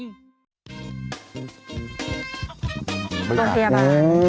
ต้องพริกไหมเออ